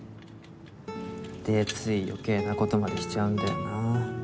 でつい余計な事までしちゃうんだよなあ。